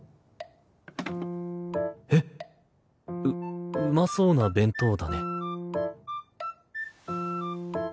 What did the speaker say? ううまそうな弁当だね。